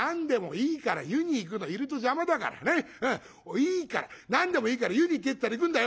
いいから何でもいいから湯に行けってったら行くんだよ。